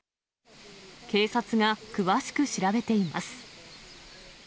警察が詳しく調べています。